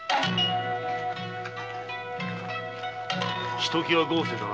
ひときわ豪勢だな。